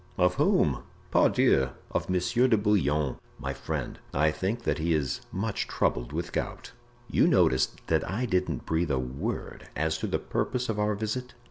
"Of whom?" "Pardieu! of Monsieur de Bouillon." "My friend, I think that he is much troubled with gout." "You noticed that I didn't breathe a word as to the purpose of our visit?"